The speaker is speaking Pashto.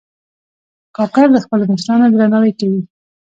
کاکړ د خپلو مشرانو درناوی کوي.